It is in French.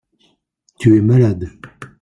Tu es malade.